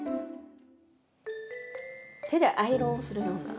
手でアイロンをするような。